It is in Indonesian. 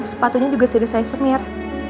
sepatunya juga sudah saya semir